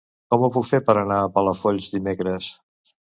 Com ho puc fer per anar a Palafolls dimecres?